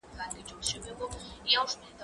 زه مخکي پلان جوړ کړی وو